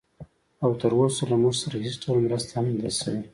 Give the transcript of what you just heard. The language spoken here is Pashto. او تراوسه له موږ سره هېڅ ډول مرسته هم نه ده شوې